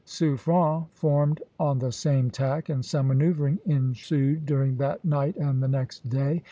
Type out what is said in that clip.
Suffren formed on the same tack, and some manoeuvring ensued during that night and the next day.